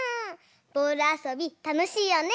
ボールあそびたのしいよね！